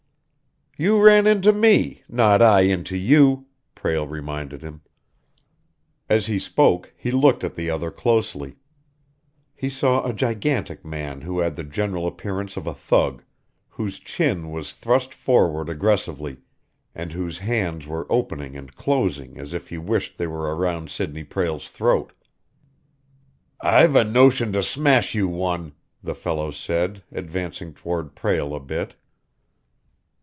"You ran into me, not I into you," Prale reminded him. As he spoke, he looked at the other closely. He saw a gigantic man who had the general appearance of a thug, whose chin was thrust forward aggressively, and whose hands were opening and closing as if he wished they were around Sidney Prale's throat. "I've a notion to smash you one!" the fellow said, advancing toward Prale a bit.